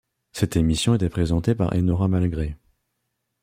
Cette émission était présentée par Enora Malagré.